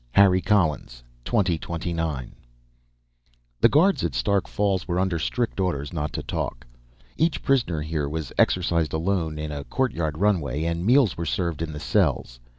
Harry Collins 2029 The guards at Stark Falls were under strict orders not to talk. Each prisoner here was exercised alone in a courtyard runway, and meals were served in the cells.